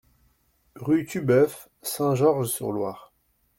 Rue Tuboeuf, Saint-Georges-sur-Loire